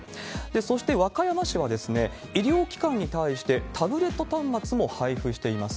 そして、和歌山市は医療機関に対してタブレット端末も配布しています。